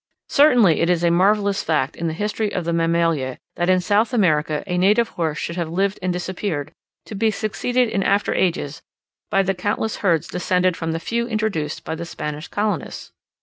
Certainly it is a marvellous fact in the history of the Mammalia, that in South America a native horse should have lived and disappeared, to be succeeded in after ages by the countless herds descended from the few introduced with the Spanish colonists!